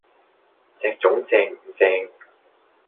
隻糉正唔正